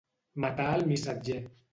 Matar el missatger.